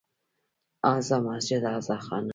هذا مسجد، هذا خانه